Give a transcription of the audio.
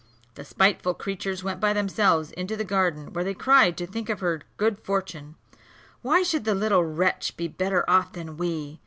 The spiteful creatures went by themselves into the garden, where they cried to think of her good fortune. "Why should the little wretch be better off than we?"